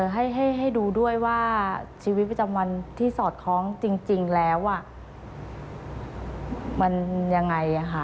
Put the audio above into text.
ให้ดูด้วยว่าชีวิตประจำวันที่สอดคล้องจริงแล้วมันยังไง